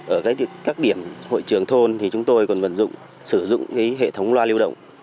ở các điểm hội trường thôn thì chúng tôi còn vận dụng sử dụng hệ thống loa lưu động